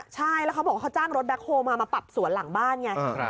ใช่แล้วเขาบอกว่าเขาจ้างรถแบ็คโฮลมามาปรับสวนหลังบ้านไง